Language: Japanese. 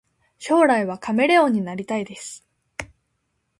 将来はカメレオンになりたいです